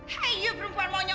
hei you perempuan monyok